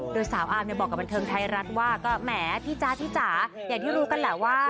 โดยสาวอาร์มบอกกับบันเทิงไทยรัฐว่าก็แหมพี่จ๊ะพี่จ๋าอย่างที่รู้กันแหละว่า